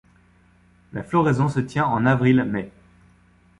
La floraison se tient en avril-mai.